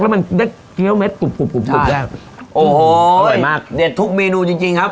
แล้วมันได้เกี้ยวเม็ดใช่โอ้โหอร่อยมากเด็ดทุกเมนูจริงจริงครับ